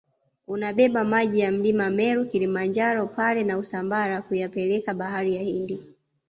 unabeba maji ya mlima meru Kilimanjaro pare na usambara kuyapeleka bahari ya hindi